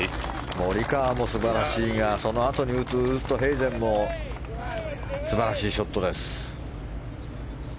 モリカワも素晴らしいがそのあとに打つウーストヘイゼンも素晴らしいショットです。